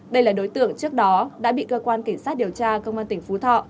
đây là đối tượng trước đó đã bị cơ quan cảnh sát điều tra công an tỉnh phú thọ